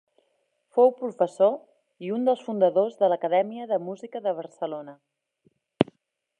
Fou professor i un dels fundadors de l'Acadèmia de Música de Barcelona.